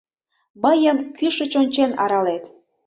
Мыйым, кӱшыч ончен, аралет.